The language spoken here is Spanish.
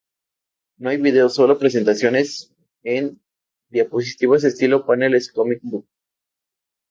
No hay videos, solo presentaciones de diapositivas estilo paneles-comic book.